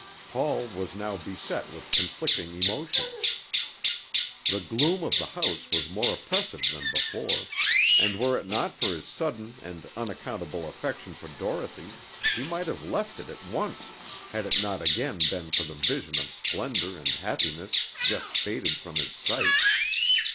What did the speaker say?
Paul was now beset with conflicting emotions. The gloom of the house was more oppressive than before; and were it not for his sudden and unaccountable affection for Dorothy, he might have left it at once, had it not again been for the vision of splendor and happiness just faded from his sight.